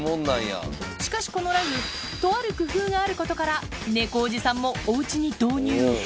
しかしこのラグ、とある工夫があることから、猫おじさんもおうちに導入。